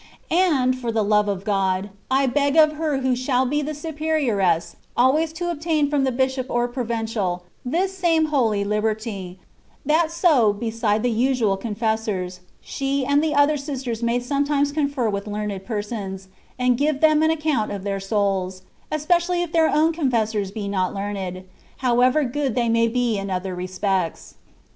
And, for the love of God, I beg of her who shall be the superioress, always to ob tain from the bishop or provincial this same holy hberty, that so, beside the usual confessors, she and tie other Asters may sometimes confer with learned persons, and give them an accoimt of their souls, especially if their own confessors be not learned, however good they may be in other respects.